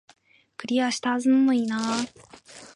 クリアしたはずなのになー